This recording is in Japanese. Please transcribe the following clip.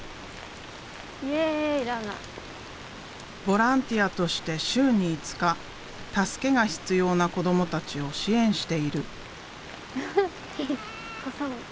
ボランティアとして週に５日助けが必要な子どもたちを支援している。